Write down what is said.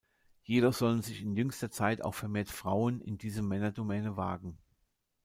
Jedoch sollen sich in jüngster Zeit auch vermehrt Frauen in diese Männerdomäne wagen.